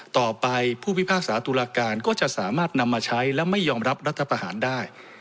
ต่อไปผู้พิพากษาตุลาการก็จะสามารถนำมาใช้และไม่ยอมรับรัฐประหารได้